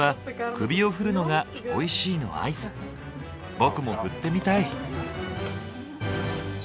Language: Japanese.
僕も振ってみたい！